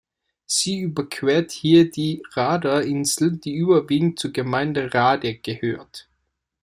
Sie überquert hier die Rader Insel, die überwiegend zur Gemeinde Rade gehört.